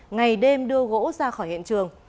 ngày đêm đưa gỗ ra khỏi hiện trường